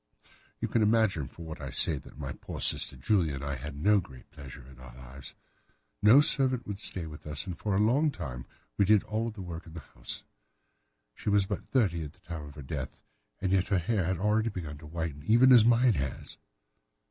"You can imagine from what I say that my poor sister Julia and I had no great pleasure in our lives. No servant would stay with us, and for a long time we did all the work of the house. She was but thirty at the time of her death, and yet her hair had already begun to whiten, even as mine has."